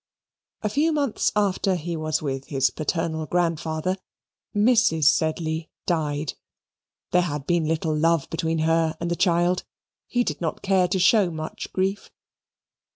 A few months after he was with his paternal grandfather, Mrs. Sedley died. There had been little love between her and the child. He did not care to show much grief.